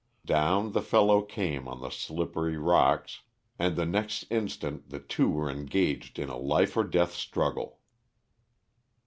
Down the fellow came on the slippery rocks, and the next instant the two were engaged in a life or death struggle.